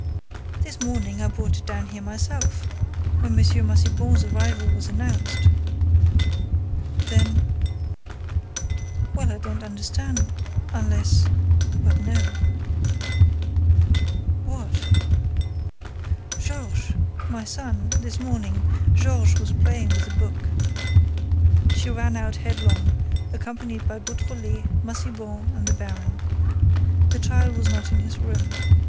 "This morning, I brought it down here myself, when M. Massiban's arrival was announced." "Then—?" "Well, I don't understand—unless—but no." "What?" "Georges—my son—this morning—Georges was playing with the book." She ran out headlong, accompanied by Beautrelet, Massiban and the baron. The child was not in his room.